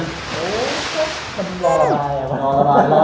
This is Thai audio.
มันรอละบาย